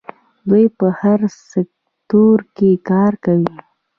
دوی په هر سکتور کې کار کوي.